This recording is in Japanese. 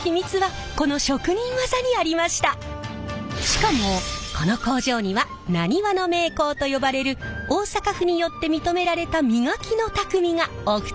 しかもこの工場にはなにわの名工と呼ばれる大阪府によって認められた磨きのタクミがお二人在籍。